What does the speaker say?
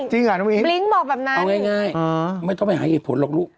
จริงเหรอน้องอิ๊นเอาง่ายไม่ต้องไปหาเหตุผลหรอกลูก